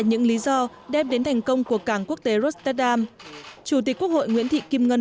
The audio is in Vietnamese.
những lý do đem đến thành công của cảng quốc tế rosteddam chủ tịch quốc hội nguyễn thị kim ngân